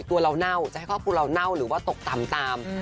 ตัวเราเน่าจะให้ครอบครัวเราเน่าหรือว่าตกต่ำตาม